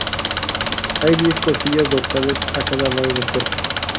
Hay diez costillas dorsales a cada lado del cuerpo.